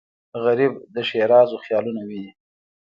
غریب د ښېرازو خیالونه ویني